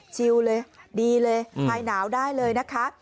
ชิลเลยดีเลยคลายหนาวได้เลยนะคะ